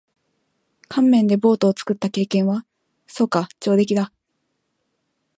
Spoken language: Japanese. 乾麺でボートを作った経験は？そうか。上出来だ。